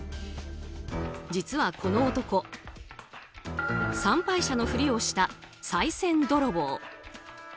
実はこの男、参拝者のふりをしたさい銭泥棒。